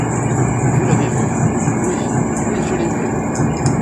Vous l'avez vu !… Oui … oui … je l'ai vu.